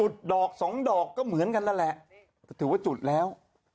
หลังดอกก็เหมือนกันแหละถือว่าจุดแล้ว